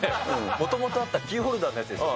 もともとあったキーホルダーのやつですよね。